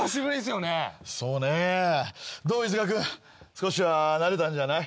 少しは慣れたんじゃない？